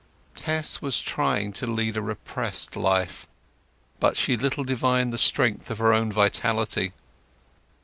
Tess was trying to lead a repressed life, but she little divined the strength of her own vitality.